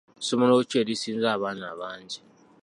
Ssomero ki erisinza abaana abangi?